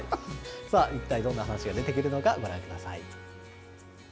さあ、一体どんな話が出てくるのか、ご覧ください。